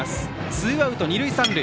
ツーアウト、二塁三塁。